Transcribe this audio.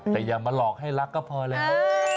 แต่อย่ามาหลอกให้รักก็พอแล้ว